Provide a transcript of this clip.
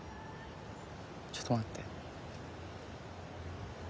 ちょっと待って。